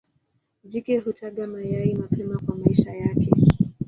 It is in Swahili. Jike hutaga mayai mapema kwa maisha yake.